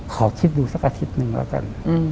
ขอคิดดูสักอาทิตย์หนึ่งแล้วกัน